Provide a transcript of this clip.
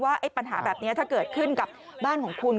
ปัญหาแบบนี้ถ้าเกิดขึ้นกับบ้านของคุณ